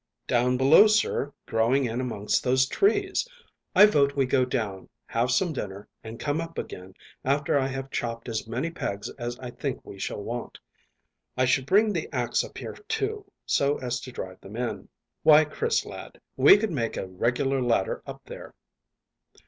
"Down below, sir, growing in amongst those trees. I vote we go down, have some dinner, and come up again after I have chopped as many pegs as I think we shall want. I should bring the axe up here too, so as to drive them in. Why, Chris, lad, we could make a regular ladder up there."